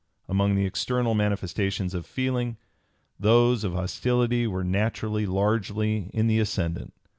Among the external manifestations of feeling, those of hostility were naturally largely in the ascendant.